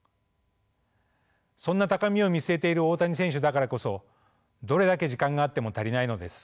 そんな高みを見据えている大谷選手だからこそどれだけ時間があっても足りないのです。